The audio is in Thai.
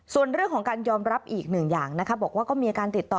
ส่วนเรื่องของการยอมรับอีกหนึ่งอย่างนะคะบอกว่าก็มีอาการติดต่อ